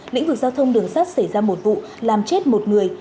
lĩnh vực giao thông đường sắt xảy ra một vụ làm chết một người